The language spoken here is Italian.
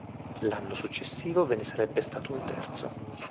L'anno successivo ve ne sarebbe stato un terzo.